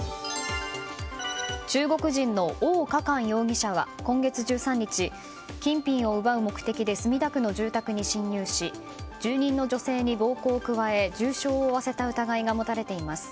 中国人のオウ・カカン容疑者は今月１３日金品を奪う目的で墨田区の住宅に侵入し住人の女性に暴行を加え重傷を負わせた疑いが持たれています。